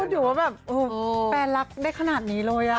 ดูแบบแฟนรักได้ขนาดนี้เลยอ่ะ